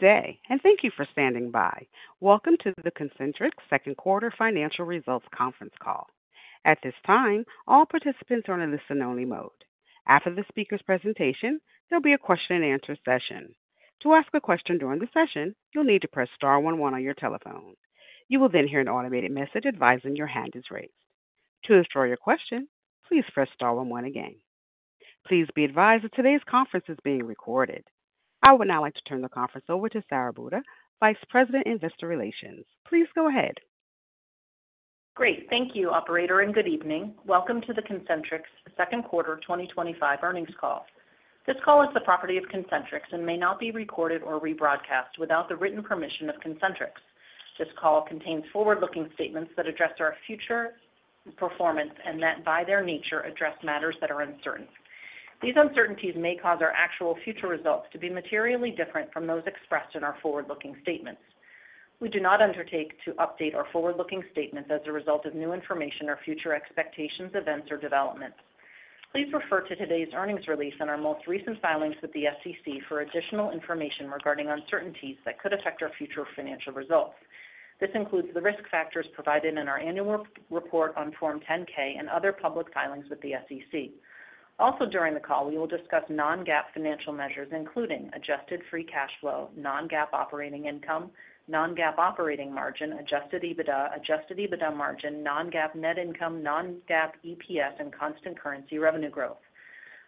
Good day, and thank you for standing by. Welcome to the Concentrix second quarter financial results conference call. At this time, all participants are in a listen-only mode. After the speaker's presentation, there'll be a question-and-answer session. To ask a question during the session, you'll need to press *11 on your telephone. You will then hear an automated message advising your hand is raised. To withdraw your question, please press *11 again. Please be advised that today's conference is being recorded. I would now like to turn the conference over to Sara Buda, Vice President, Investor Relations. Please go ahead. Great. Thank you, Operator, and good evening. Welcome to the Concentrix Second Quarter 2025 Earnings Call. This call is the property of Concentrix and may not be recorded or rebroadcast without the written permission of Concentrix. This call contains forward-looking statements that address our future performance and that, by their nature, address matters that are uncertain. These uncertainties may cause our actual future results to be materially different from those expressed in our forward-looking statements. We do not undertake to update our forward-looking statements as a result of new information or future expectations, events, or developments. Please refer to today's earnings release and our most recent filings with the SEC for additional information regarding uncertainties that could affect our future financial results. This includes the risk factors provided in our annual report on Form 10-K and other public filings with the SEC. Also, during the call, we will discuss non-GAAP financial measures, including adjusted free cash flow, non-GAAP operating income, non-GAAP operating margin, adjusted EBITDA, adjusted EBITDA margin, non-GAAP net income, non-GAAP EPS, and constant currency revenue growth.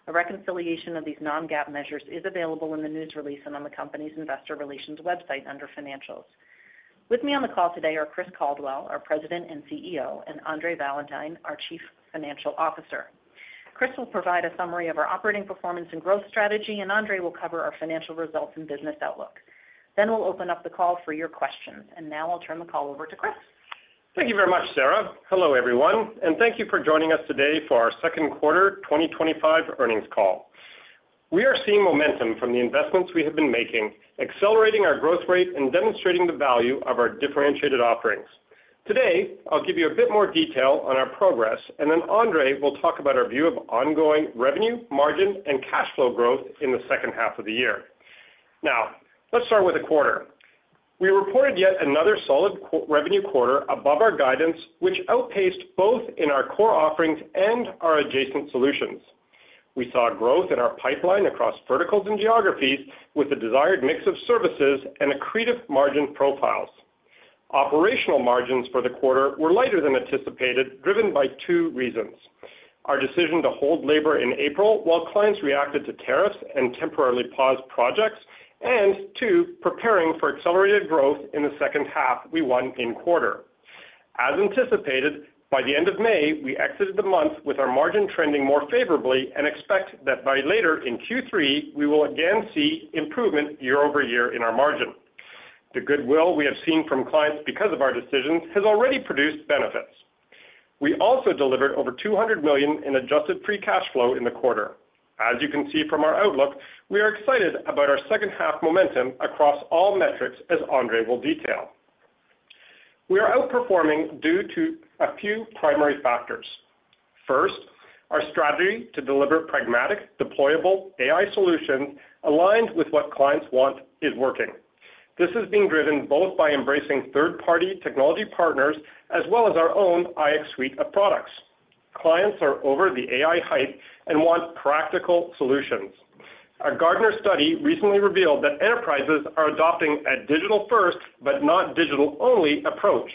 A reconciliation of these non-GAAP measures is available in the news release and on the company's investor relations website under financials. With me on the call today are Chris Caldwell, our President and CEO, and Andre Valentine, our Chief Financial Officer. Chris will provide a summary of our operating performance and growth strategy, and Andre will cover our financial results and business outlook. We will open up the call for your questions. Now I'll turn the call over to Chris. Thank you very much, Sara. Hello, everyone, and thank you for joining us today for our Second Quarter 2025 Earnings Call. We are seeing momentum from the investments we have been making, accelerating our growth rate and demonstrating the value of our differentiated offerings. Today, I'll give you a bit more detail on our progress, and then Andre will talk about our view of ongoing revenue, margin, and cash flow growth in the second half of the year. Now, let's start with the quarter. We reported yet another solid revenue quarter above our guidance, which outpaced both in our core offerings and our adjacent solutions. We saw growth in our pipeline across verticals and geographies with the desired mix of services and accretive margin profiles. Operational margins for the quarter were lighter than anticipated, driven by two reasons: our decision to hold labor in April while clients reacted to tariffs and temporarily paused projects, and, two, preparing for accelerated growth in the second half we won in quarter. As anticipated, by the end of May, we exited the month with our margin trending more favorably and expect that by later in Q3, we will again see improvement year-over-year in our margin. The goodwill we have seen from clients because of our decisions has already produced benefits. We also delivered over $200 million in adjusted free cash flow in the quarter. As you can see from our outlook, we are excited about our second half momentum across all metrics, as Andre will detail. We are outperforming due to a few primary factors. First, our strategy to deliver pragmatic, deployable AI solutions aligned with what clients want is working. This is being driven both by embracing third-party technology partners as well as our own iX suite of products. Clients are over the AI hype and want practical solutions. A Gartner study recently revealed that enterprises are adopting a digital-first but not digital-only approach.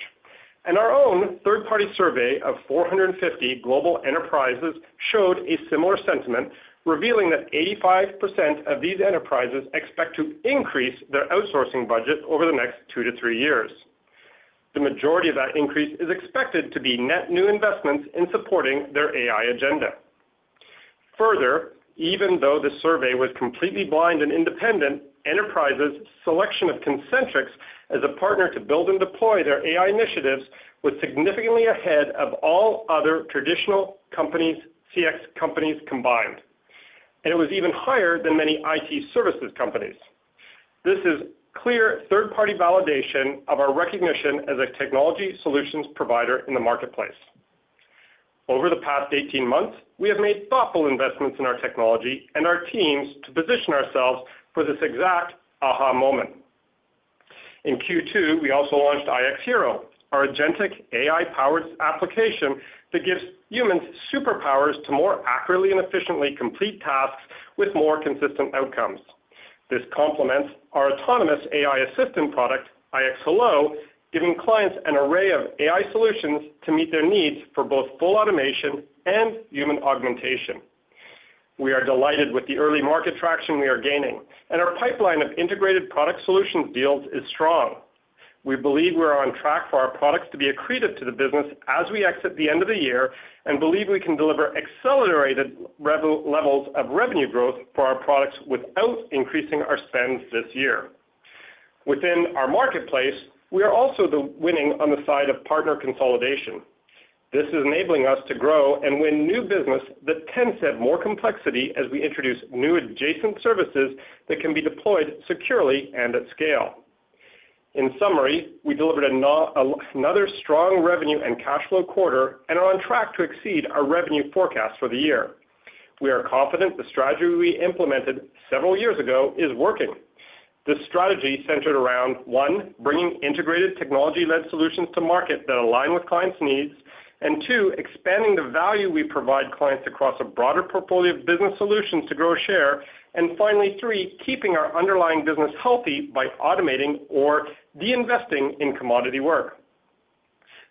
Our own third-party survey of 450 global enterprises showed a similar sentiment, revealing that 85% of these enterprises expect to increase their outsourcing budget over the next two to three years. The majority of that increase is expected to be net new investments in supporting their AI agenda. Further, even though the survey was completely blind and independent, enterprises' selection of Concentrix as a partner to build and deploy their AI initiatives was significantly ahead of all other traditional companies, CX companies combined. It was even higher than many IT services companies. This is clear third-party validation of our recognition as a technology solutions provider in the marketplace. Over the past 18 months, we have made thoughtful investments in our technology and our teams to position ourselves for this exact aha moment. In Q2, we also launched iX Hero, our agentic AI-powered application that gives humans superpowers to more accurately and efficiently complete tasks with more consistent outcomes. This complements our autonomous AI assistant product, iX Hello, giving clients an array of AI solutions to meet their needs for both full automation and human augmentation. We are delighted with the early market traction we are gaining, and our pipeline of integrated product solutions deals is strong. We believe we are on track for our products to be accretive to the business as we exit the end of the year and believe we can deliver accelerated levels of revenue growth for our products without increasing our spend this year. Within our marketplace, we are also winning on the side of partner consolidation. This is enabling us to grow and win new business that tends to have more complexity as we introduce new adjacent services that can be deployed securely and at scale. In summary, we delivered another strong revenue and cash flow quarter and are on track to exceed our revenue forecast for the year. We are confident the strategy we implemented several years ago is working. The strategy centered around, one, bringing integrated technology-led solutions to market that align with clients' needs, and two, expanding the value we provide clients across a broader portfolio of business solutions to grow share, and finally, three, keeping our underlying business healthy by automating or reinvesting in commodity work.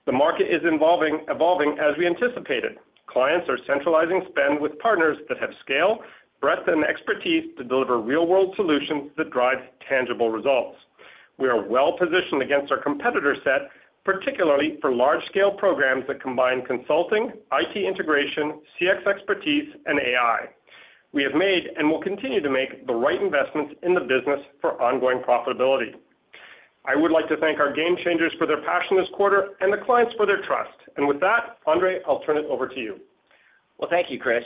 The market is evolving as we anticipated. Clients are centralizing spend with partners that have scale, breadth, and expertise to deliver real-world solutions that drive tangible results. We are well positioned against our competitor set, particularly for large-scale programs that combine consulting, IT integration, CX expertise, and AI. We have made and will continue to make the right investments in the business for ongoing profitability. I would like to thank our game changers for their passion this quarter and the clients for their trust. With that, Andre, I'll turn it over to you. Thank you, Chris.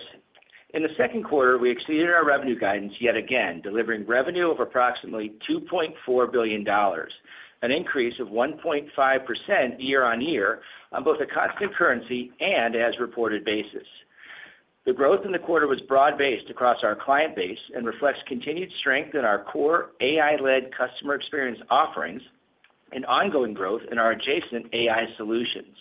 In the second quarter, we exceeded our revenue guidance yet again, delivering revenue of approximately $2.4 billion, an increase of 1.5% year on year on both a constant currency and as reported basis. The growth in the quarter was broad-based across our client base and reflects continued strength in our core AI-led customer experience offerings and ongoing growth in our adjacent AI solutions.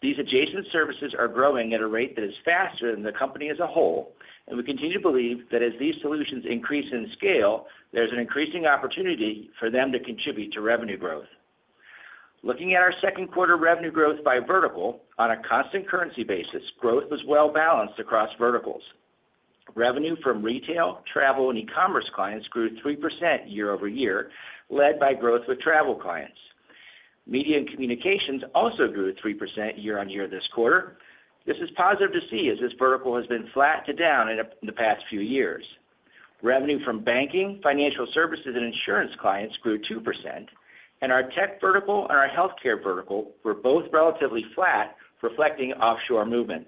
These adjacent services are growing at a rate that is faster than the company as a whole, and we continue to believe that as these solutions increase in scale, there is an increasing opportunity for them to contribute to revenue growth. Looking at our second quarter revenue growth by vertical on a constant currency basis, growth was well-balanced across verticals. Revenue from retail, travel, and e-commerce clients grew 3% year-over-year, led by growth with travel clients. Media and communications also grew 3% year-on0year this quarter. This is positive to see as this vertical has been flat to down in the past few years. Revenue from banking, financial services, and insurance clients grew 2%, and our tech vertical and our healthcare vertical were both relatively flat, reflecting offshore movement.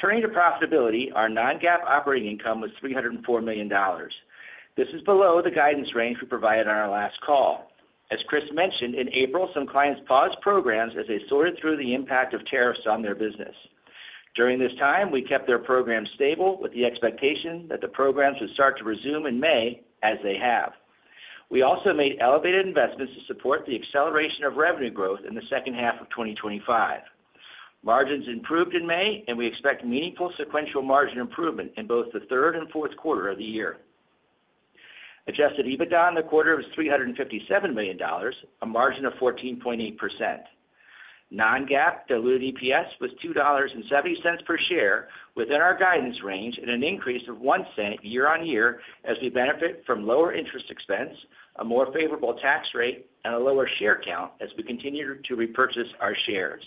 Turning to profitability, our non-GAAP operating income was $304 million. This is below the guidance range we provided on our last call. As Chris mentioned, in April, some clients paused programs as they sorted through the impact of tariffs on their business. During this time, we kept their programs stable with the expectation that the programs would start to resume in May, as they have. We also made elevated investments to support the acceleration of revenue growth in the second half of 2025. Margins improved in May, and we expect meaningful sequential margin improvement in both the third and fourth quarter of the year. Adjusted EBITDA in the quarter was $357 million, a margin of 14.8%. Non-GAAP diluted EPS was $2.70 per share within our guidance range and an increase of 1 cent year on year as we benefit from lower interest expense, a more favorable tax rate, and a lower share count as we continue to repurchase our shares.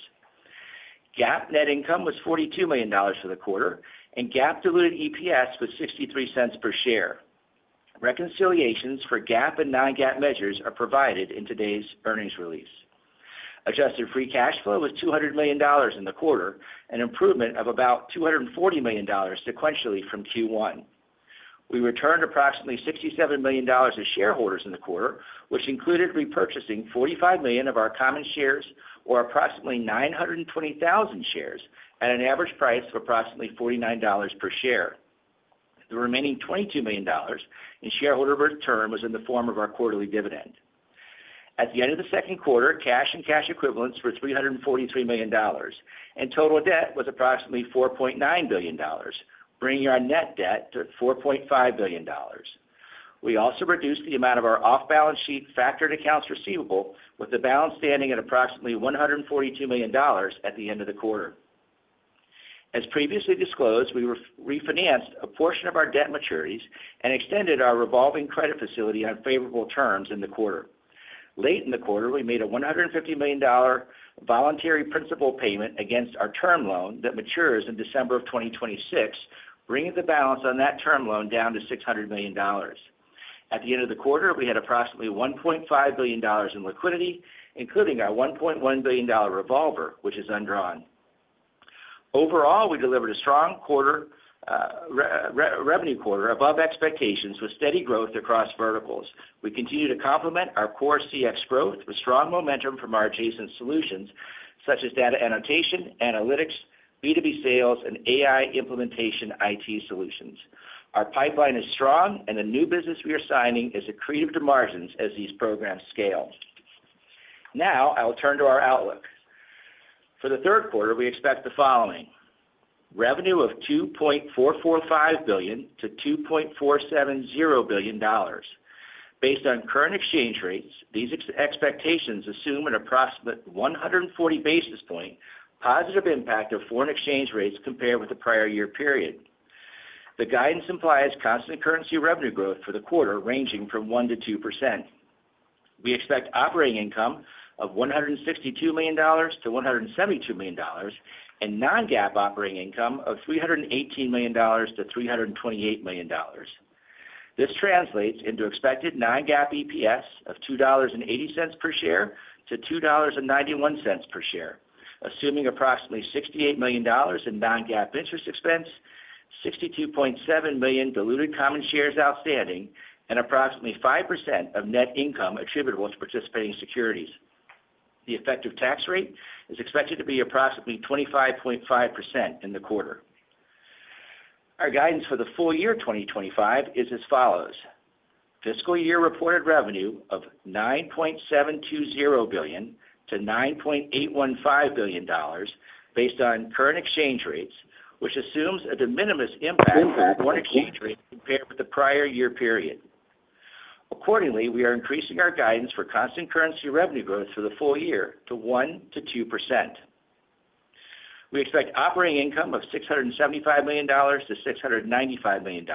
GAAP net income was $42 million for the quarter, and GAAP diluted EPS was $0.63 per share. Reconciliations for GAAP and non-GAAP measures are provided in today's earnings release. Adjusted free cash flow was $200 million in the quarter, an improvement of about $240 million sequentially from Q1. We returned approximately $67 million to shareholders in the quarter, which included repurchasing $45 million of our common shares, or approximately 920,000 shares at an average price of approximately $49 per share. The remaining $22 million in shareholder return was in the form of our quarterly dividend. At the end of the second quarter, cash and cash equivalents were $343 million, and total debt was approximately $4.9 billion, bringing our net debt to $4.5 billion. We also reduced the amount of our off-balance sheet factored accounts receivable, with the balance standing at approximately $142 million at the end of the quarter. As previously disclosed, we refinanced a portion of our debt maturities and extended our revolving credit facility on favorable terms in the quarter. Late in the quarter, we made a $150 million voluntary principal payment against our term loan that matures in December of 2026, bringing the balance on that term loan down to $600 million. At the end of the quarter, we had approximately $1.5 billion in liquidity, including our $1.1 billion revolver, which is undrawn. Overall, we delivered a strong revenue quarter above expectations with steady growth across verticals. We continue to complement our core CX growth with strong momentum from our adjacent solutions, such as data annotation, analytics, B2B sales, and AI implementation IT solutions. Our pipeline is strong, and the new business we are signing is accretive to margins as these programs scale. Now, I'll turn to our outlook. For the third quarter, we expect the following: revenue of $2.445 billion-$2.470 billion. Based on current exchange rates, these expectations assume an approximate 140 basis point positive impact of foreign exchange rates compared with the prior year period. The guidance implies constant currency revenue growth for the quarter ranging from 1-2%. We expect operating income of $162 million-$172 million and non-GAAP operating income of $318 million-$328 million. This translates into expected non-GAAP EPS of $2.80 per share-$2.91 per share, assuming approximately $68 million in non-GAAP interest expense, 62.7 million diluted common shares outstanding, and approximately 5% of net income attributable to participating securities. The effective tax rate is expected to be approximately 25.5% in the quarter. Our guidance for the full year 2025 is as follows: fiscal year reported revenue of $9.720 billion-$9.815 billion based on current exchange rates, which assumes a de minimis impact [audio distortition] compared with the prior year period. Accordingly, we are increasing our guidance for constant currency revenue growth for the full year to 1%-2%. We expect operating income of $675 million-$695 million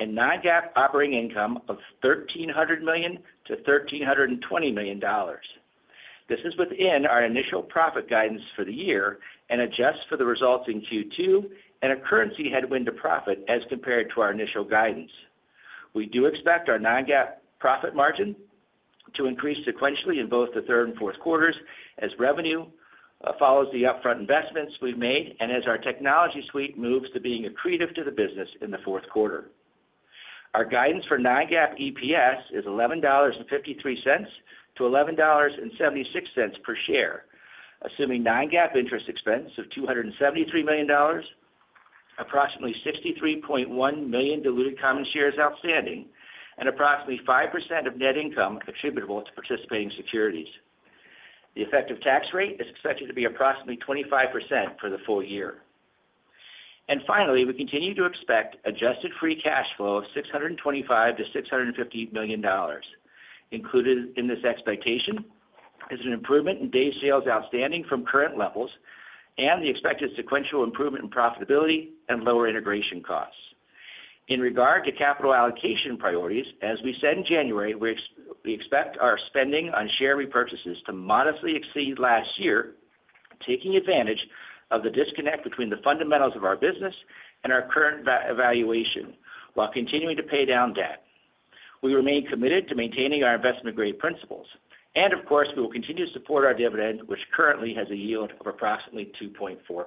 and non-GAAP operating income of $1,300 million-$1,320 million. This is within our initial profit guidance for the year and adjusts for the results in Q2 and a currency headwind to profit as compared to our initial guidance. We do expect our non-GAAP profit margin to increase sequentially in both the third and fourth quarters as revenue follows the upfront investments we've made and as our technology suite moves to being accretive to the business in the fourth quarter. Our guidance for non-GAAP EPS is $11.53-$11.76 per share, assuming non-GAAP interest expense of $273 million, approximately 63.1 million diluted common shares outstanding, and approximately 5% of net income attributable to participating securities. The effective tax rate is expected to be approximately 25% for the full year. We continue to expect adjusted free cash flow of $625-$650 million. Included in this expectation is an improvement in day sales outstanding from current levels and the expected sequential improvement in profitability and lower integration costs. In regard to capital allocation priorities, as we said in January, we expect our spending on share repurchases to modestly exceed last year, taking advantage of the disconnect between the fundamentals of our business and our current valuation while continuing to pay down debt. We remain committed to maintaining our investment-grade principles. Of course, we will continue to support our dividend, which currently has a yield of approximately 2.4%.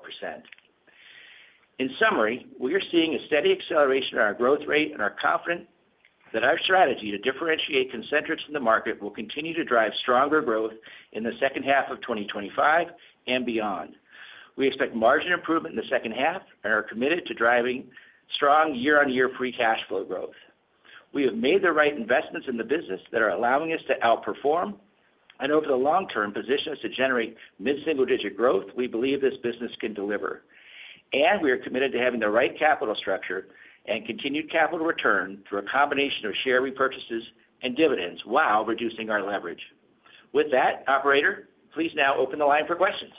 In summary, we are seeing a steady acceleration in our growth rate and are confident that our strategy to differentiate Concentrix in the market will continue to drive stronger growth in the second half of 2025 and beyond. We expect margin improvement in the second half and are committed to driving strong year-on-year free cash flow growth. We have made the right investments in the business that are allowing us to outperform and over the long term position us to generate mid-single-digit growth we believe this business can deliver. We are committed to having the right capital structure and continued capital return through a combination of share repurchases and dividends while reducing our leverage. With that, Operator, please now open the line for questions.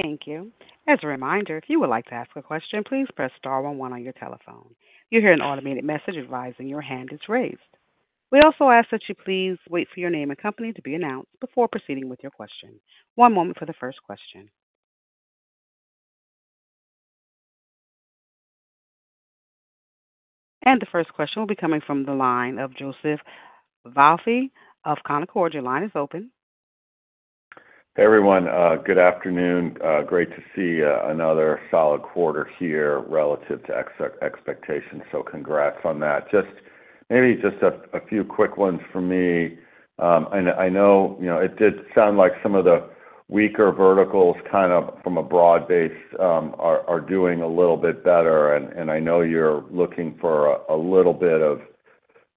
Thank you. As a reminder, if you would like to ask a question, please press *11 on your telephone. You hear an automated message advising your hand is raised. We also ask that you please wait for your name and company to be announced before proceeding with your question. One moment for the first question. The first question will be coming from the line of Joseph Vafi of Canaccord. Your line is open. Hey, everyone. Good afternoon. Great to see another solid quarter here relative to expectations. Congrats on that. Maybe just a few quick ones for me. I know it did sound like some of the weaker verticals kind of from a broad base are doing a little bit better. I know you're looking for a little bit of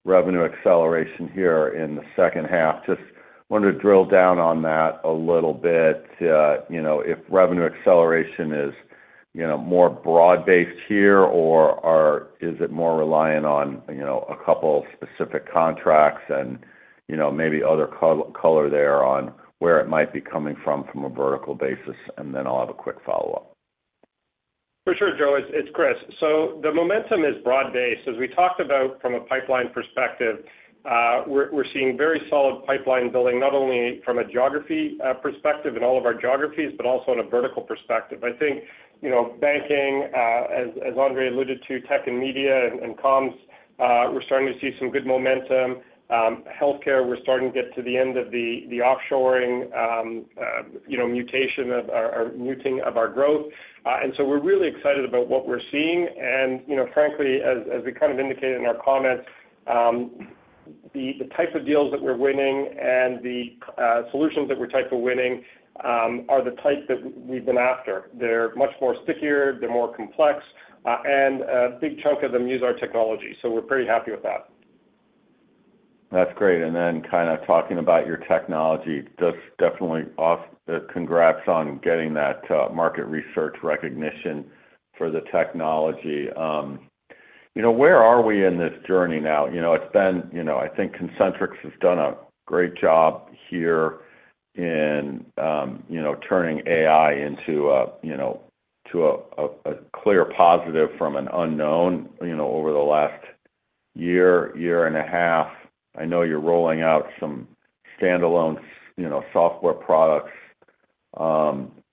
revenue acceleration here in the second half. Just wanted to drill down on that a little bit. Is revenue acceleration more broad-based here, or is it more reliant on a couple specific contracts, and maybe other color there on where it might be coming from from a vertical basis? I have a quick follow-up. For sure, Joe. It's Chris. The momentum is broad-based. As we talked about from a pipeline perspective, we're seeing very solid pipeline building not only from a geography perspective in all of our geographies, but also on a vertical perspective. I think banking, as Andre alluded to, tech and media and comms, we're starting to see some good momentum. Healthcare, we're starting to get to the end of the offshoring mutation or muting of our growth. We are really excited about what we're seeing. Frankly, as we kind of indicated in our comments, the type of deals that we're winning and the solutions that we're winning are the type that we've been after. They're much more stickier. They're more complex. A big chunk of them use our technology. We're pretty happy with that. That's great. And then kind of talking about your technology, just definitely congrats on getting that market research recognition for the technology. Where are we in this journey now? It's been, I think Concentrix has done a great job here in turning AI into a clear positive from an unknown over the last year, year and a half. I know you're rolling out some standalone software products.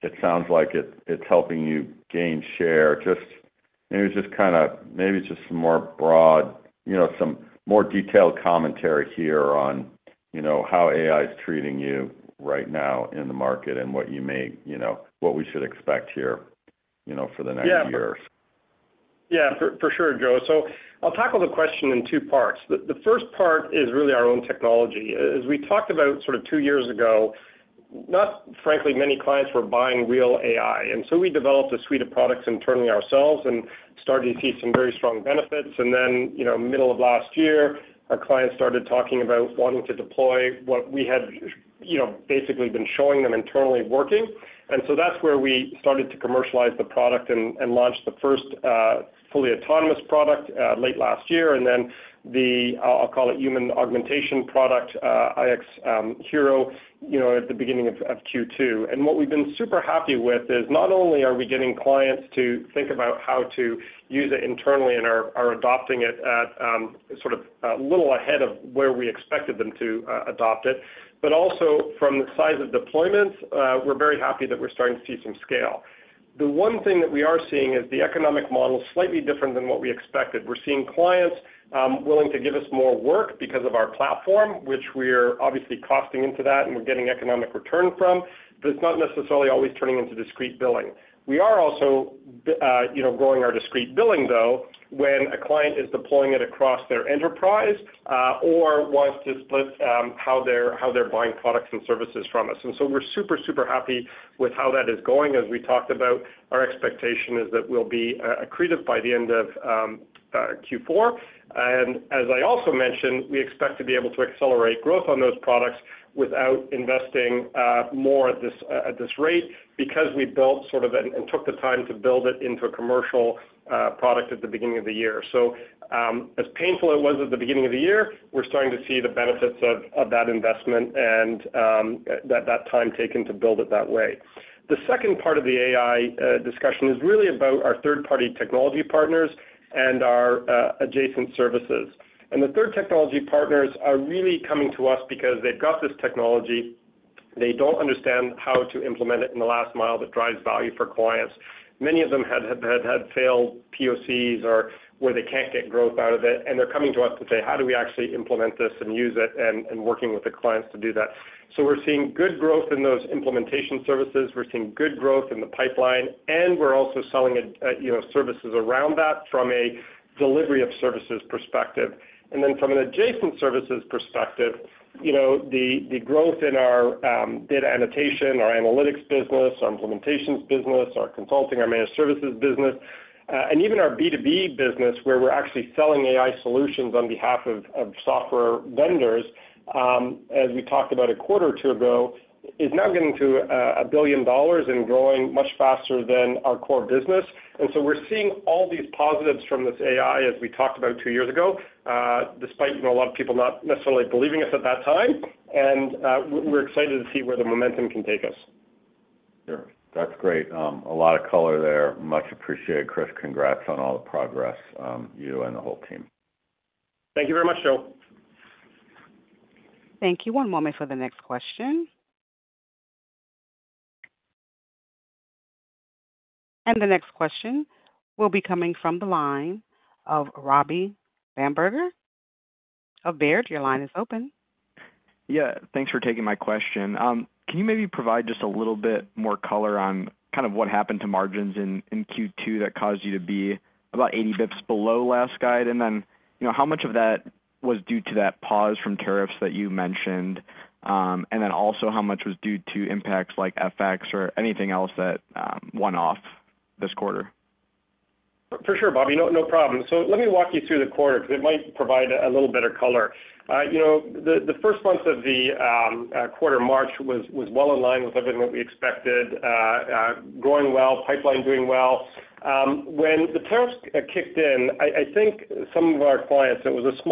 It sounds like it's helping you gain share. Just maybe just kind of maybe just some more broad, some more detailed commentary here on how AI is treating you right now in the market and what you may what we should expect here for the next year or so. Yeah, for sure, Joe. I'll tackle the question in two parts. The first part is really our own technology. As we talked about sort of two years ago, not, frankly, many clients were buying real AI. We developed a suite of products internally ourselves and started to see some very strong benefits. In the middle of last year, our clients started talking about wanting to deploy what we had basically been showing them internally working. That's where we started to commercialize the product and launch the first fully autonomous product late last year. I'll call it the human augmentation product, iX Hero, at the beginning of Q2. What we've been super happy with is not only are we getting clients to think about how to use it internally and are adopting it sort of a little ahead of where we expected them to adopt it, but also from the size of deployments, we're very happy that we're starting to see some scale. The one thing that we are seeing is the economic model is slightly different than what we expected. We're seeing clients willing to give us more work because of our platform, which we're obviously costing into that and we're getting economic return from, but it's not necessarily always turning into discrete billing. We are also growing our discrete billing, though, when a client is deploying it across their enterprise or wants to split how they're buying products and services from us. We are super, super happy with how that is going. As we talked about, our expectation is that we'll be accretive by the end of Q4. As I also mentioned, we expect to be able to accelerate growth on those products without investing more at this rate because we built sort of and took the time to build it into a commercial product at the beginning of the year. As painful as it was at the beginning of the year, we're starting to see the benefits of that investment and that time taken to build it that way. The second part of the AI discussion is really about our third-party technology partners and our adjacent services. The third technology partners are really coming to us because they've got this technology. They do not understand how to implement it in the last mile that drives value for clients. Many of them have had failed POCs or where they can't get growth out of it. They're coming to us to say, "How do we actually implement this and use it?" Working with the clients to do that. We're seeing good growth in those implementation services. We're seeing good growth in the pipeline. We're also selling services around that from a delivery of services perspective. From an adjacent services perspective, the growth in our data annotation, our analytics business, our implementations business, our consulting, our managed services business, and even our B2B business where we're actually selling AI solutions on behalf of software vendors, as we talked about a quarter or two ago, is now getting to $1 billion and growing much faster than our core business. We're seeing all these positives from this AI, as we talked about two years ago, despite a lot of people not necessarily believing us at that time. We're excited to see where the momentum can take us. Sure. That's great. A lot of color there. Much appreciated, Chris. Congrats on all the progress, you and the whole team. Thank you very much, Joe. Thank you. One moment for the next question. The next question will be coming from the line of Robbie Bamberger of Baird. Your line is open. Yeah. Thanks for taking my question. Can you maybe provide just a little bit more color on kind of what happened to margins in Q2 that caused you to be about 80 basis points below last guide? And then how much of that was due to that pause from tariffs that you mentioned? And then also how much was due to impacts like FX or anything else that went off this quarter? For sure, Bobby. No problem. Let me walk you through the quarter because it might provide a little better color. The first month of the quarter, March, was well in line with everything that we expected, growing well, pipeline doing well. When the tariffs kicked in, I think some of our clients, it was a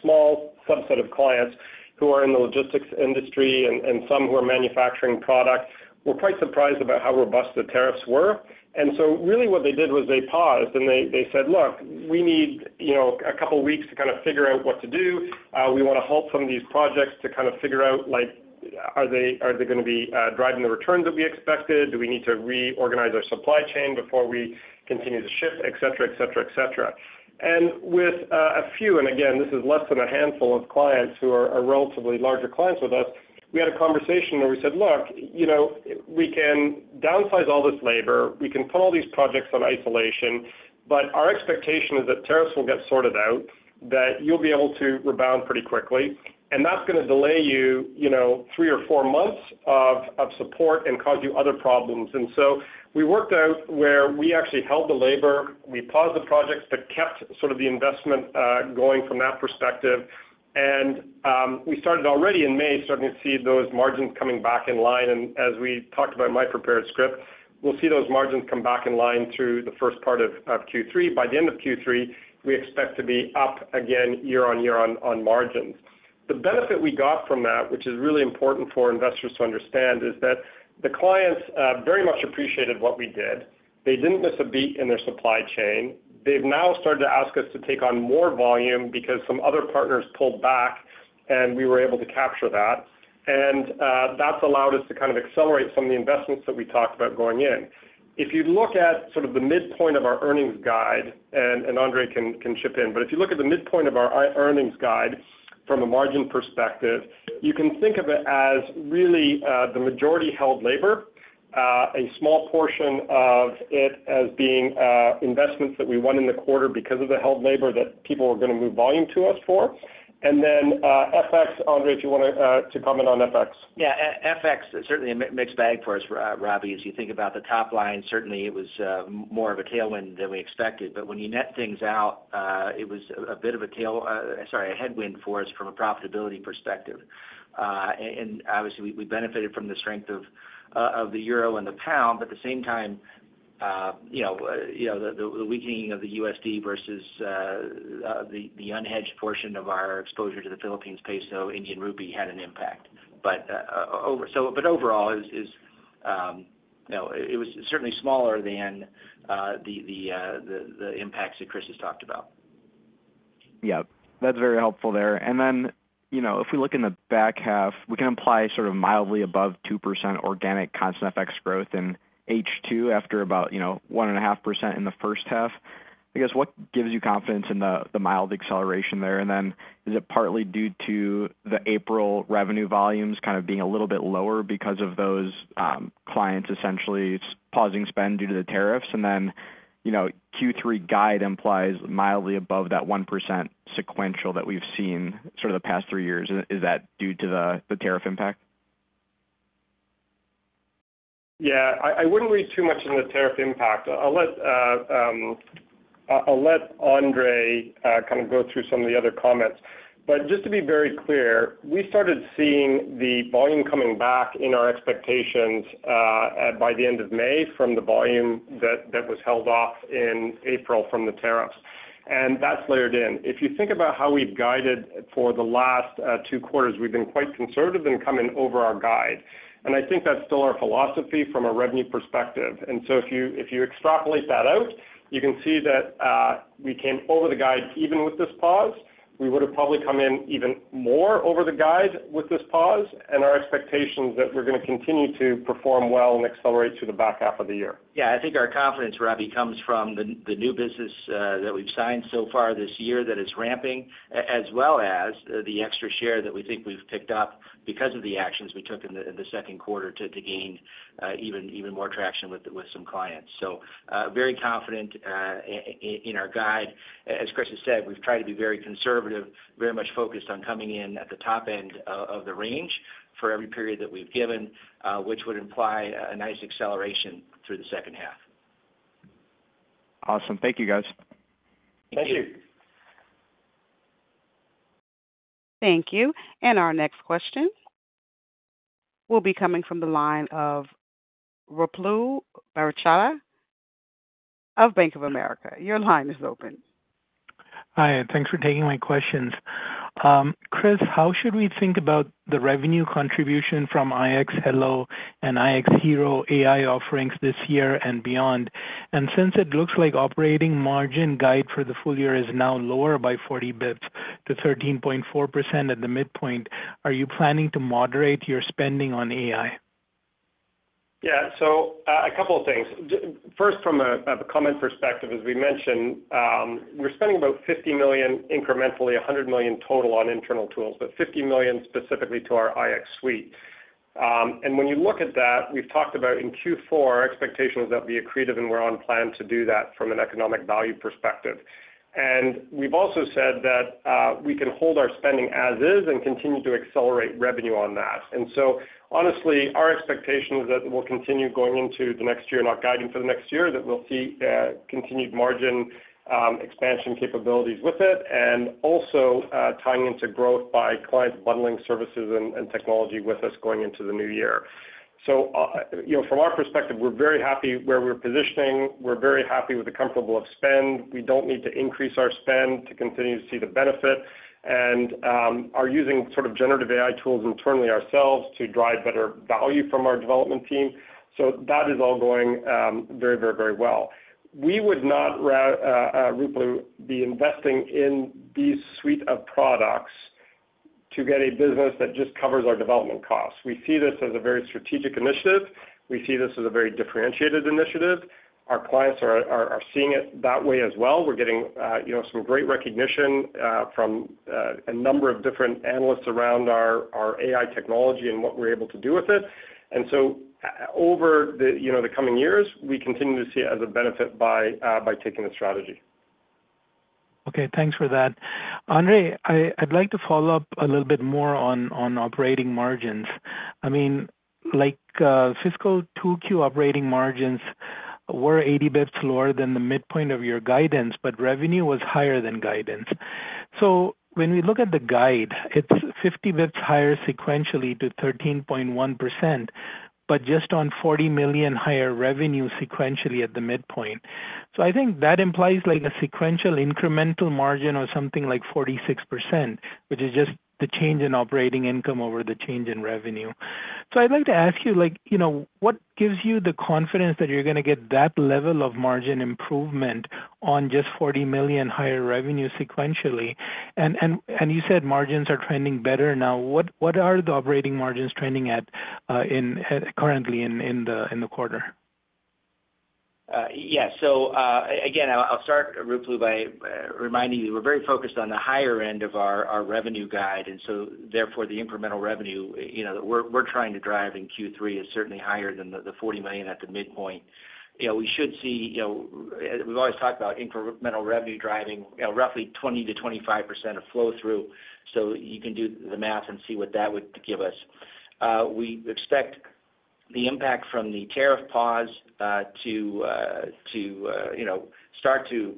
small subset of clients who are in the logistics industry and some who are manufacturing product, were quite surprised about how robust the tariffs were. What they did was they paused and they said, "Look, we need a couple of weeks to kind of figure out what to do. We want to halt some of these projects to kind of figure out are they going to be driving the returns that we expected? Do we need to reorganize our supply chain before we continue to shift? Et cetera, et cetera, et cetera. With a few, and again, this is less than a handful of clients who are relatively larger clients with us, we had a conversation where we said, "Look, we can downsize all this labor. We can put all these projects on isolation, but our expectation is that tariffs will get sorted out, that you'll be able to rebound pretty quickly. That is going to delay you three or four months of support and cause you other problems." We worked out where we actually held the labor. We paused the projects, but kept sort of the investment going from that perspective. We started already in May starting to see those margins coming back in line. As we talked about in my prepared script, we'll see those margins come back in line through the first part of Q3. By the end of Q3, we expect to be up again year on year on margins. The benefit we got from that, which is really important for investors to understand, is that the clients very much appreciated what we did. They didn't miss a beat in their supply chain. They've now started to ask us to take on more volume because some other partners pulled back and we were able to capture that. That's allowed us to kind of accelerate some of the investments that we talked about going in. If you look at sort of the midpoint of our earnings guide, and Andre can chip in, but if you look at the midpoint of our earnings guide from a margin perspective, you can think of it as really the majority held labor, a small portion of it as being investments that we won in the quarter because of the held labor that people were going to move volume to us for. And then FX, Andre, if you want to comment on FX. Yeah. FX certainly a mixed bag for us, Robbie. As you think about the top line, certainly it was more of a tailwind than we expected. When you net things out, it was a bit of a tailwind, sorry, a headwind for us from a profitability perspective. Obviously, we benefited from the strength of the euro and the pound. At the same time, the weakening of the USD versus the unhedged portion of our exposure to the Philippine peso and Indian rupee had an impact. Overall, it was certainly smaller than the impacts that Chris has talked about. Yeah. That's very helpful there. If we look in the back half, we can imply sort of mildly above 2% organic constant FX growth in H2 after about 1.5% in the first half. I guess what gives you confidence in the mild acceleration there? Is it partly due to the April revenue volumes kind of being a little bit lower because of those clients essentially pausing spend due to the tariffs? Q3 guide implies mildly above that 1% sequential that we've seen sort of the past three years. Is that due to the tariff impact? Yeah. I would not read too much on the tariff impact. I will let Andre kind of go through some of the other comments. Just to be very clear, we started seeing the volume coming back in our expectations by the end of May from the volume that was held off in April from the tariffs. That is layered in. If you think about how we have guided for the last two quarters, we have been quite conservative in coming over our guide. I think that is still our philosophy from a revenue perspective. If you extrapolate that out, you can see that we came over the guide even with this pause. We would have probably come in even more over the guide with this pause and our expectations that we are going to continue to perform well and accelerate through the back half of the year. Yeah. I think our confidence, Robbie, comes from the new business that we've signed so far this year that is ramping, as well as the extra share that we think we've picked up because of the actions we took in the second quarter to gain even more traction with some clients. Very confident in our guide. As Chris has said, we've tried to be very conservative, very much focused on coming in at the top end of the range for every period that we've given, which would imply a nice acceleration through the second half. Awesome. Thank you, guys. Thank you. Thank you. Our next question will be coming from the line of Ruplu Bhattacharya of Bank of America. Your line is open. Hi. Thanks for taking my questions. Chris, how should we think about the revenue contribution from iX Hello and iX Hero AI offerings this year and beyond? Since it looks like operating margin guide for the full year is now lower by 40 basis points to 13.4% at the midpoint, are you planning to moderate your spending on AI? Yeah. So a couple of things. First, from a comment perspective, as we mentioned, we're spending about $50 million incrementally, $100 million total on internal tools, but $50 million specifically to our iX suite. When you look at that, we've talked about in Q4, our expectation is that we're accretive and we're on plan to do that from an economic value perspective. We've also said that we can hold our spending as is and continue to accelerate revenue on that. Honestly, our expectation is that we'll continue going into the next year and our guiding for the next year that we'll see continued margin expansion capabilities with it and also tying into growth by clients bundling services and technology with us going into the new year. From our perspective, we're very happy where we're positioning. We're very happy with the comfortable of spend. We do not need to increase our spend to continue to see the benefit. And are using sort of generative AI tools internally ourselves to drive better value from our development team. That is all going very, very, very well. We would not, Ruplu, be investing in these suite of products to get a business that just covers our development costs. We see this as a very strategic initiative. We see this as a very differentiated initiative. Our clients are seeing it that way as well. We are getting some great recognition from a number of different analysts around our AI technology and what we are able to do with it. Over the coming years, we continue to see it as a benefit by taking the strategy. Okay. Thanks for that. Andre, I'd like to follow up a little bit more on operating margins. I mean, like fiscal 2Q operating margins were 80 basis points lower than the midpoint of your guidance, but revenue was higher than guidance. When we look at the guide, it is 50 basis points higher sequentially to 13.1%, but just on $40 million higher revenue sequentially at the midpoint. I think that implies like a sequential incremental margin of something like 46%, which is just the change in operating income over the change in revenue. I'd like to ask you, what gives you the confidence that you're going to get that level of margin improvement on just $40 million higher revenue sequentially? You said margins are trending better now. What are the operating margins trending at currently in the quarter? Yeah. Again, I'll start, Ruplu, by reminding you we're very focused on the higher end of our revenue guide. Therefore, the incremental revenue that we're trying to drive in Q3 is certainly higher than the $40 million at the midpoint. We should see we've always talked about incremental revenue driving roughly 20%-25% of flow through. You can do the math and see what that would give us. We expect the impact from the tariff pause to start to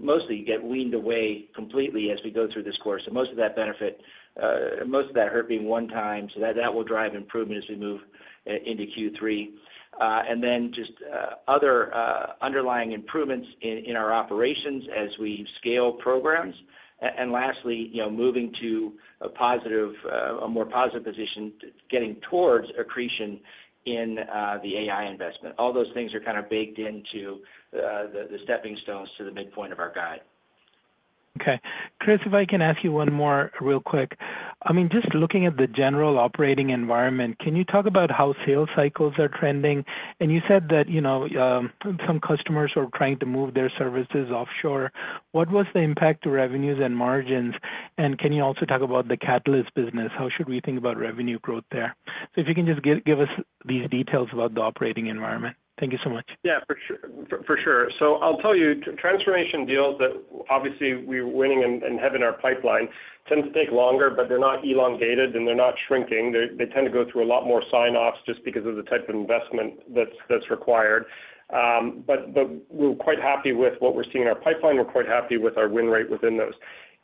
mostly get weaned away completely as we go through this course. Most of that benefit, most of that hurt being one time. That will drive improvement as we move into Q3. Then just other underlying improvements in our operations as we scale programs. Lastly, moving to a more positive position, getting towards accretion in the AI investment. All those things are kind of baked into the stepping stones to the midpoint of our guide. Okay. Chris, if I can ask you one more real quick. I mean, just looking at the general operating environment, can you talk about how sales cycles are trending? You said that some customers are trying to move their services offshore. What was the impact to revenues and margins? Can you also talk about the catalyst business? How should we think about revenue growth there? If you can just give us these details about the operating environment. Thank you so much. Yeah. For sure. I'll tell you, transformation deals that obviously we're winning and have in our pipeline tend to take longer, but they're not elongated and they're not shrinking. They tend to go through a lot more sign-offs just because of the type of investment that's required. We're quite happy with what we're seeing in our pipeline. We're quite happy with our win rate within those.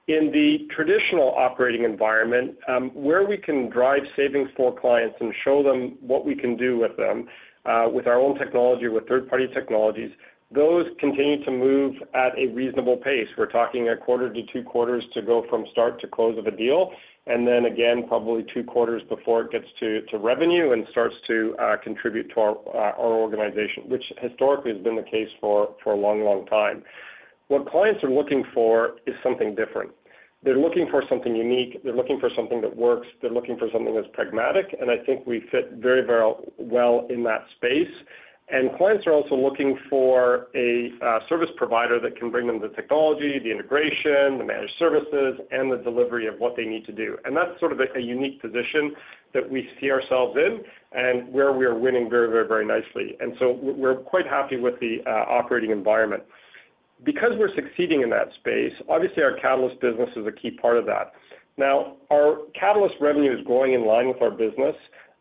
In the traditional operating environment, where we can drive savings for clients and show them what we can do with them with our own technology or with third-party technologies, those continue to move at a reasonable pace. We're talking a quarter to two quarters to go from start to close of a deal, and then again, probably two quarters before it gets to revenue and starts to contribute to our organization, which historically has been the case for a long, long time. What clients are looking for is something different. They're looking for something unique. They're looking for something that works. They're looking for something that's pragmatic. I think we fit very, very well in that space. Clients are also looking for a service provider that can bring them the technology, the integration, the managed services, and the delivery of what they need to do. That is sort of a unique position that we see ourselves in and where we are winning very, very, very nicely. We are quite happy with the operating environment. Because we're succeeding in that space, obviously, our catalyst business is a key part of that. Now, our catalyst revenue is going in line with our business,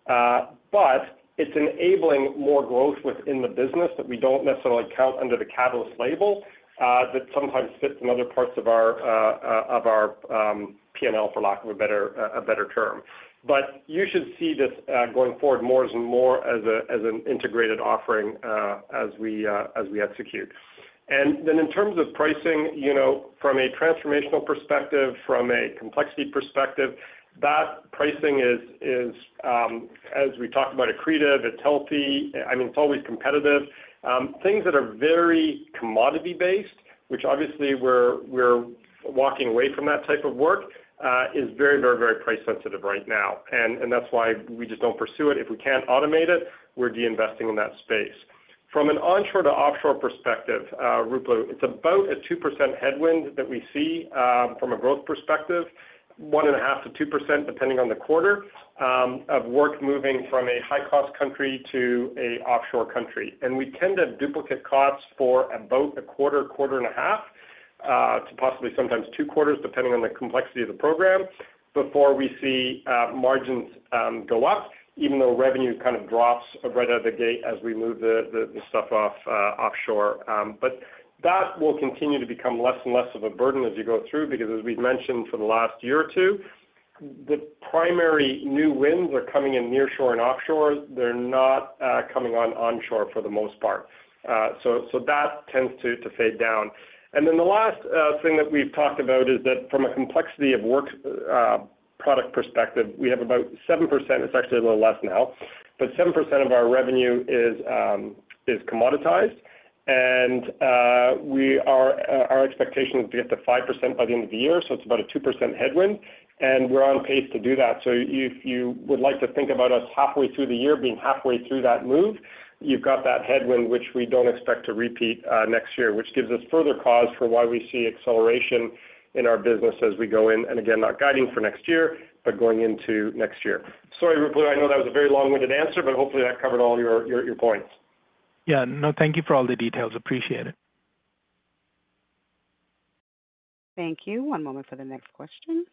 but it is enabling more growth within the business that we do not necessarily count under the catalyst label that sometimes fits in other parts of our P&L, for lack of a better term. You should see this going forward more and more as an integrated offering as we execute. In terms of pricing, from a transformational perspective, from a complexity perspective, that pricing is, as we talked about, accretive. It is healthy. I mean, it is always competitive. Things that are very commodity-based, which obviously we are walking away from that type of work, are very, very, very price sensitive right now. That is why we just do not pursue it. If we cannot automate it, we are deinvesting in that space. From an onshore to offshore perspective, Ruplu, it's about a 2% headwind that we see from a growth perspective, 1.5-2% depending on the quarter of work moving from a high-cost country to an offshore country. We tend to duplicate costs for about a quarter, quarter and a half, to possibly sometimes two quarters, depending on the complexity of the program, before we see margins go up, even though revenue kind of drops right out of the gate as we move the stuff offshore. That will continue to become less and less of a burden as you go through because, as we've mentioned for the last year or two, the primary new wins are coming in nearshore and offshore. They're not coming on onshore for the most part. That tends to fade down. The last thing that we've talked about is that from a complexity of work product perspective, we have about 7%. It's actually a little less now. But 7% of our revenue is commoditized. Our expectation is to get to 5% by the end of the year. It is about a 2% headwind. We're on pace to do that. If you would like to think about us halfway through the year being halfway through that move, you've got that headwind, which we do not expect to repeat next year, which gives us further cause for why we see acceleration in our business as we go in and again, not guiding for next year, but going into next year. Sorry, Ruplu. I know that was a very long-winded answer, but hopefully that covered all your points. Yeah. No, thank you for all the details. Appreciate it. Thank you. One moment for the next question.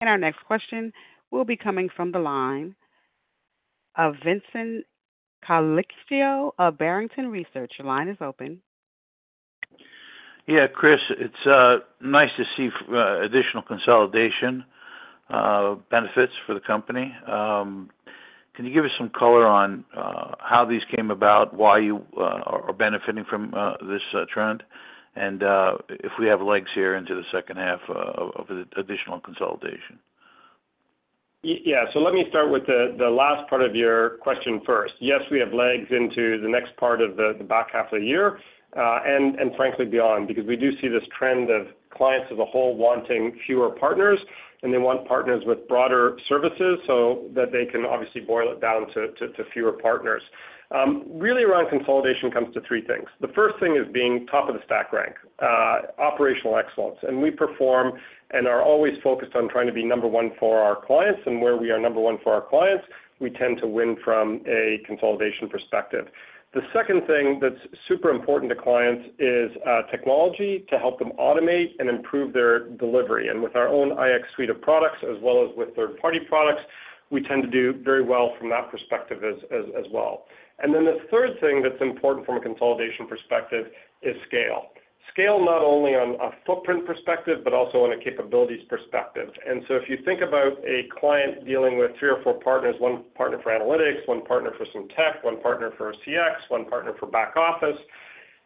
Our next question will be coming from the line of Vincent Colicchio of Barrington Research. Your line is open. Yeah. Chris, it's nice to see additional consolidation benefits for the company. Can you give us some color on how these came about, why you are benefiting from this trend, and if we have legs here into the second half of additional consolidation? Yeah. Let me start with the last part of your question first. Yes, we have legs into the next part of the back half of the year and frankly beyond because we do see this trend of clients as a whole wanting fewer partners, and they want partners with broader services so that they can obviously boil it down to fewer partners. Really, around consolidation comes to three things. The first thing is being top of the stack rank, operational excellence. We perform and are always focused on trying to be number one for our clients. Where we are number one for our clients, we tend to win from a consolidation perspective. The second thing that's super important to clients is technology to help them automate and improve their delivery. With our own iX suite of products, as well as with third-party products, we tend to do very well from that perspective as well. The third thing that's important from a consolidation perspective is scale. Scale not only on a footprint perspective, but also on a capabilities perspective. If you think about a client dealing with three or four partners, one partner for analytics, one partner for some tech, one partner for CX, one partner for back office,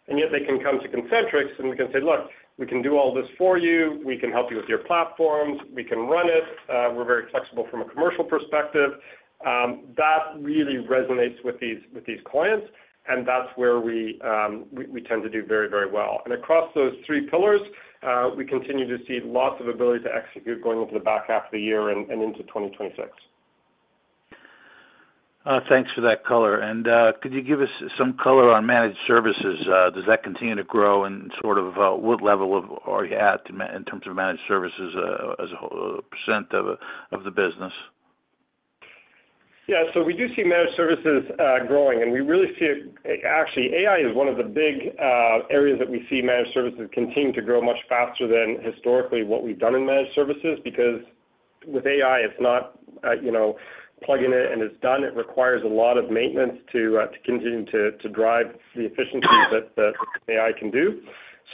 and yet they can come to Concentrix and we can say, "Look, we can do all this for you. We can help you with your platforms. We can run it. We're very flexible from a commercial perspective." That really resonates with these clients, and that's where we tend to do very, very well. Across those three pillars, we continue to see lots of ability to execute going into the back half of the year and into 2026. Thanks for that color. Could you give us some color on managed services? Does that continue to grow? What level are you at in terms of managed services as a percent of the business? Yeah. We do see managed services growing. We really see it actually, AI is one of the big areas that we see managed services continue to grow much faster than historically what we've done in managed services because with AI, it's not plugging it and it's done. It requires a lot of maintenance to continue to drive the efficiencies that AI can do.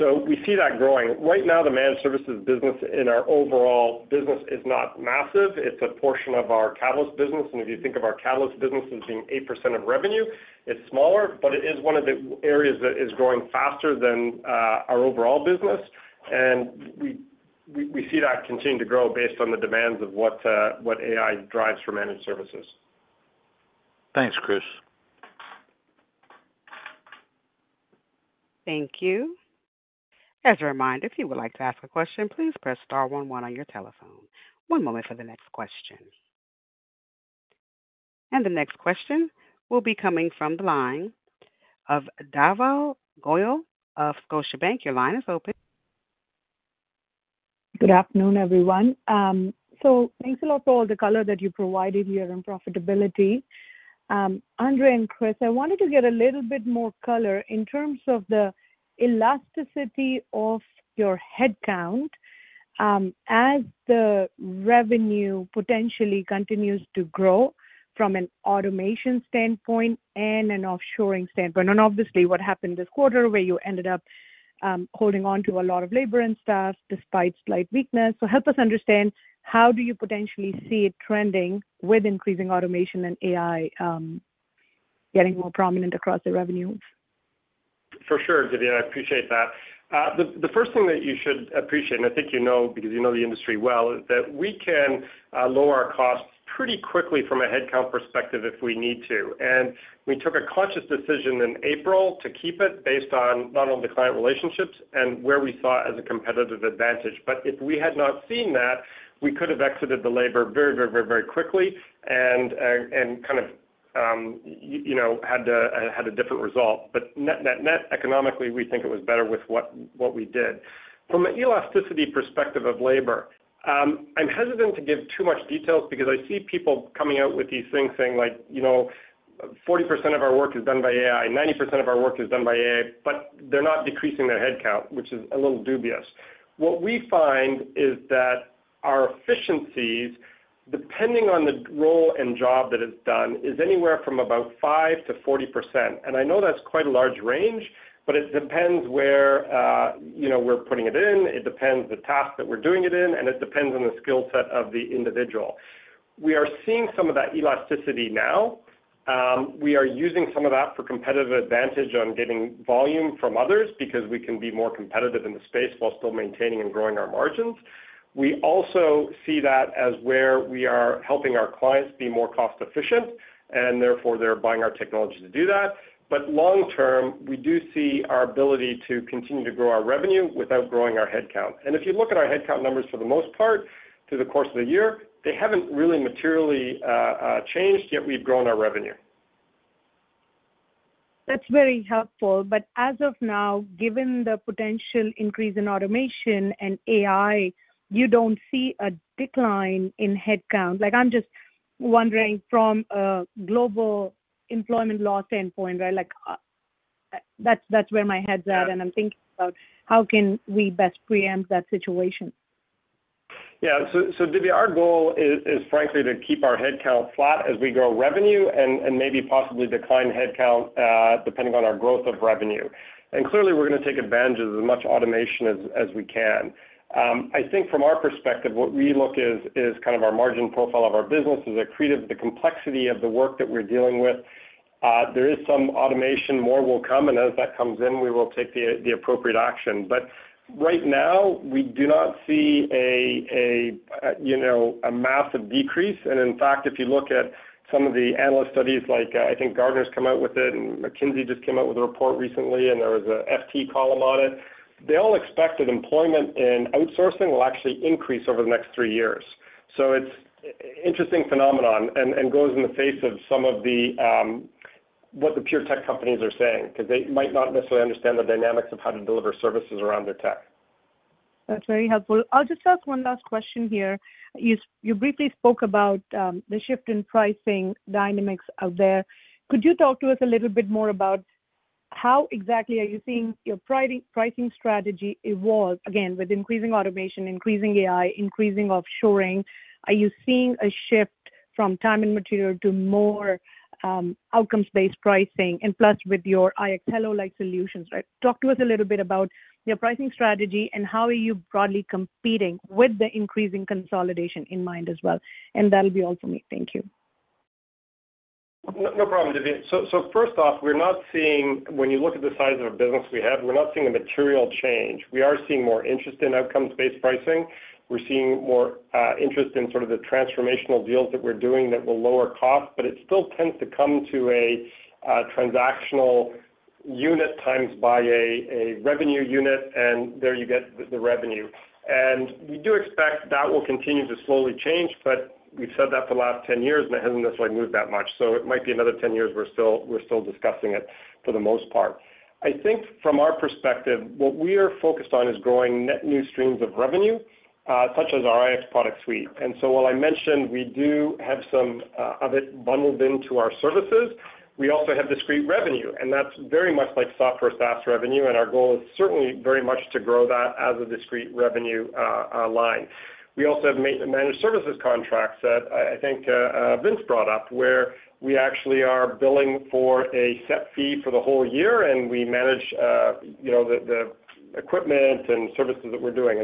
We see that growing. Right now, the managed services business in our overall business is not massive. It's a portion of our catalyst business. If you think of our catalyst business as being 8% of revenue, it's smaller, but it is one of the areas that is growing faster than our overall business. We see that continue to grow based on the demands of what AI drives for managed services. Thanks, Chris. Thank you. As a reminder, if you would like to ask a question, please press *11 on your telephone. One moment for the next question. The next question will be coming from the line of Divya Goyal of Scotia Bank. Your line is open. Good afternoon, everyone. Thanks a lot for all the color that you provided here on profitability. Andre and Chris, I wanted to get a little bit more color in terms of the elasticity of your headcount as the revenue potentially continues to grow from an automation standpoint and an offshoring standpoint. Obviously, what happened this quarter where you ended up holding on to a lot of labor and staff despite slight weakness. Help us understand how do you potentially see it trending with increasing automation and AI getting more prominent across the revenues? For sure, Divya. I appreciate that. The first thing that you should appreciate, and I think you know because you know the industry well, is that we can lower our costs pretty quickly from a headcount perspective if we need to. We took a conscious decision in April to keep it based on not only the client relationships and where we saw it as a competitive advantage. If we had not seen that, we could have exited the labor very, very, very, very quickly and kind of had a different result. Net-net-net economically, we think it was better with what we did. From an elasticity perspective of labor, I'm hesitant to give too much details because I see people coming out with these things saying like, "40% of our work is done by AI. 90% of our work is done by AI," but they're not decreasing their headcount, which is a little dubious. What we find is that our efficiencies, depending on the role and job that is done, is anywhere from about 5-40%. I know that's quite a large range, but it depends where we're putting it in. It depends on the task that we're doing it in, and it depends on the skill set of the individual. We are seeing some of that elasticity now. We are using some of that for competitive advantage on getting volume from others because we can be more competitive in the space while still maintaining and growing our margins. We also see that as where we are helping our clients be more cost-efficient, and therefore, they're buying our technology to do that. Long-term, we do see our ability to continue to grow our revenue without growing our headcount. If you look at our headcount numbers for the most part through the course of the year, they have not really materially changed, yet we have grown our revenue. That's very helpful. As of now, given the potential increase in automation and AI, you don't see a decline in headcount. I'm just wondering from a global employment loss standpoint, right? That's where my head's at, and I'm thinking about how can we best preempt that situation? Yeah. Divya, our goal is frankly to keep our headcount flat as we grow revenue and maybe possibly decline headcount depending on our growth of revenue. Clearly, we are going to take advantage of as much automation as we can. I think from our perspective, what we look at is kind of our margin profile of our business is accretive of the complexity of the work that we are dealing with. There is some automation. More will come. As that comes in, we will take the appropriate action. Right now, we do not see a massive decrease. In fact, if you look at some of the analyst studies like, I think, Gartner has come out with it, and McKinsey just came out with a report recently, and there was an FT column on it, they all expect that employment and outsourcing will actually increase over the next three years. It's an interesting phenomenon and goes in the face of some of what the pure tech companies are saying because they might not necessarily understand the dynamics of how to deliver services around their tech. That's very helpful. I'll just ask one last question here. You briefly spoke about the shift in pricing dynamics out there. Could you talk to us a little bit more about how exactly are you seeing your pricing strategy evolve? Again, with increasing automation, increasing AI, increasing offshoring, are you seeing a shift from time and material to more outcomes-based pricing and plus with your iX Hello-like solutions, right? Talk to us a little bit about your pricing strategy and how are you broadly competing with the increasing consolidation in mind as well. That'll be all for me. Thank you. No problem, Divya. First off, we're not seeing, when you look at the size of our business we have, we're not seeing a material change. We are seeing more interest in outcomes-based pricing. We're seeing more interest in sort of the transformational deals that we're doing that will lower costs, but it still tends to come to a transactional unit times by a revenue unit, and there you get the revenue. We do expect that will continue to slowly change, but we've said that for the last 10 years, and it hasn't necessarily moved that much. It might be another 10 years we're still discussing it for the most part. I think from our perspective, what we are focused on is growing net new streams of revenue such as our iX suite. While I mentioned we do have some of it bundled into our services, we also have discrete revenue. That is very much like software SaaS revenue, and our goal is certainly very much to grow that as a discrete revenue line. We also have managed services contracts that I think Vince brought up where we actually are billing for a set fee for the whole year, and we manage the equipment and services that we are doing.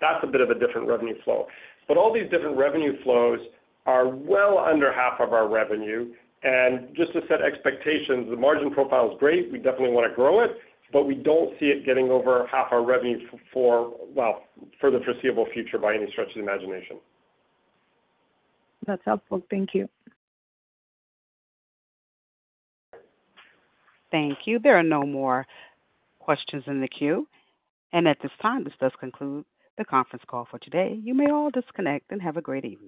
That is a bit of a different revenue flow. All these different revenue flows are well under half of our revenue. Just to set expectations, the margin profile is great. We definitely want to grow it, but we do not see it getting over half our revenue for, well, for the foreseeable future by any stretch of the imagination. That's helpful. Thank you. Thank you. There are no more questions in the queue. At this time, this does conclude the conference call for today. You may all disconnect and have a great evening.